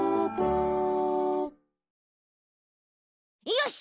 よし！